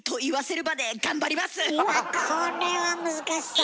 うわこれは難しそう。